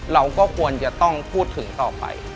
เราก็ควรจะต้องพูดถึงต่อไป